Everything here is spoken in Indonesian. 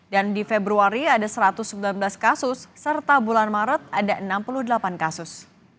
dan di februari ada satu ratus sembilan belas kasus serta bulan maret ada enam puluh delapan kasus